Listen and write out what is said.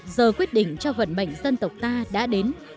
giờ quyết định cho vận mệnh dân tộc ta đã đến